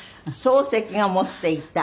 漱石が持っていた。